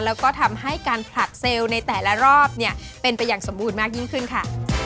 แล้วก็ทำให้การผลัดเซลล์ในแต่ละรอบเนี่ยเป็นไปอย่างสมบูรณ์มากยิ่งขึ้นค่ะ